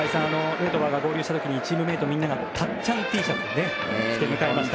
ヌートバーが合流した時にチームメートみんながたっちゃんＴシャツを着て出迎えました。